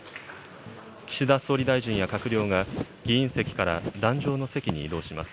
岸田総理大臣や閣僚が、議員席から壇上の席に移動します。